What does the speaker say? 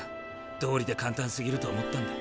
道理で簡単すぎると思ったんだ。